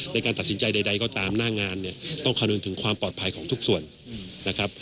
ในการตัดสินใจใดก็ตามหน้างานเนี่ยต้องคำนึงถึงความปลอดภัยของทุกส่วนนะครับ